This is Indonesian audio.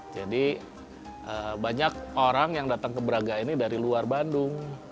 jadi banyak orang yang datang ke braga ini dari luar bandung